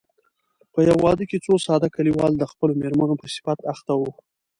په يوه واده کې څو ساده کليوال د خپلو مېرمنو په صفت اخته وو.